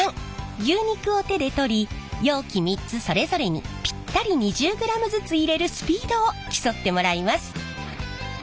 牛肉を手で取り容器３つそれぞれにぴったり２０ｇずつ入れるスピードを競ってもらいます。